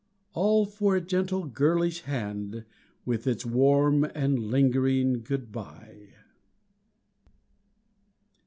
All for a gentle girlish hand With its warm and lingering good bye.